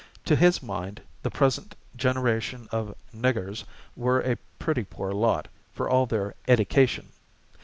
To his mind, the present generation of "niggers" were a pretty poor lot, for all their "edication."